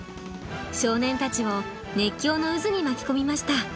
少年たちを熱狂の渦に巻き込みました。